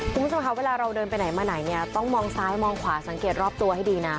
คุณผู้ชมคะเวลาเราเดินไปไหนมาไหนเนี่ยต้องมองซ้ายมองขวาสังเกตรอบตัวให้ดีนะ